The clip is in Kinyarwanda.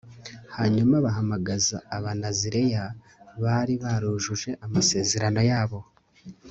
hanyuma bahamagaza abanazireya bari barujuje amasezerano yabo